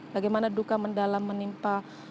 bagaimana duka mendalam menimpa